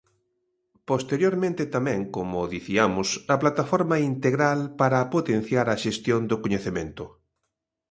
Posteriormente tamén, como diciamos, a Plataforma integral para potenciar a xestión do coñecemento.